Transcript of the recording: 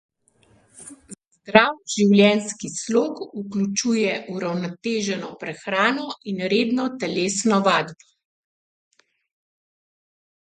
Zdrav življenjski slog vključuje uravnoteženo prehrano in redno telesno vadbo.